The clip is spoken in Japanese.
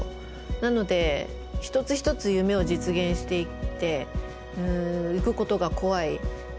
なので一つ一つ夢を実現していっていくことが怖い。